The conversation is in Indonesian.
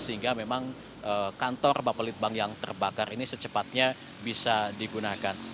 sehingga memang kantor bapak litbang yang terbakar ini secepatnya bisa digunakan